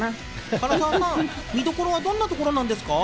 唐沢さん、見どころはどんなところですか？